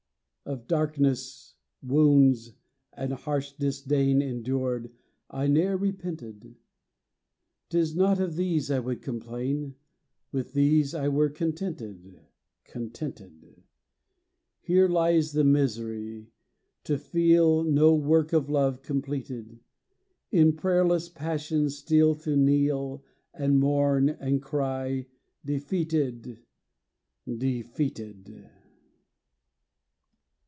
Of darkness, wounds, and harsh disdain Endured, I ne'er repented. 'T is not of these I would complain: With these I were contented, Contented. Here lies the misery, to feel No work of love completed; In prayerless passion still to kneel, And mourn, and cry: "Defeated Defeated!"